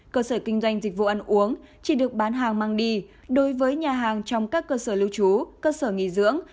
cơ sở kinh doanh dịch vụ ăn uống chỉ được bán hàng mang đi đối với nhà hàng trong các cơ sở lưu trú cơ sở nghỉ dưỡng